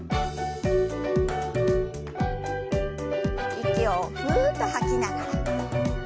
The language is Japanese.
息をふっと吐きながら。